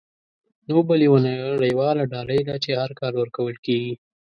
نوبل یوه نړیواله ډالۍ ده چې هر کال ورکول کیږي.